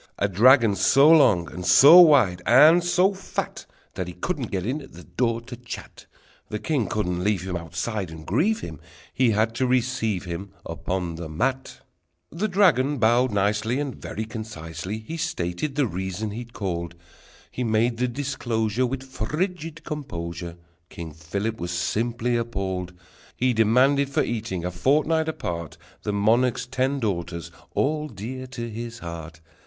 A dragon so long, and so wide, and so fat, That he couldn't get in at the door to chat: The king couldn't leave him Outside and grieve him, He had to receive him Upon the mat, The dragon bowed nicely, And very concisely He stated the reason he'd called: He made the disclosure With frigid composure. King Philip was simply appalled! He demanded for eating, a fortnight apart, The monarch's ten daughters, all dear to his heart.